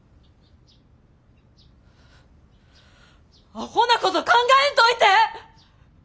アホなこと考えんといて！